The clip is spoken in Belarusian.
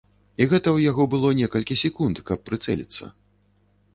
І гэта ў яго было некалькі секунд, каб прыцэліцца.